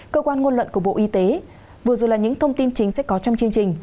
cơ quan ngôn luận của bộ y tế vừa rồi là những thông tin chính sách có trong chương trình